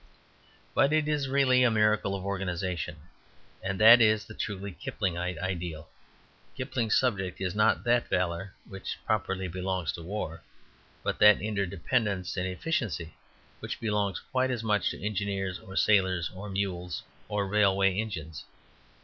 But it is really a miracle of organization, and that is the truly Kiplingite ideal. Kipling's subject is not that valour which properly belongs to war, but that interdependence and efficiency which belongs quite as much to engineers, or sailors, or mules, or railway engines.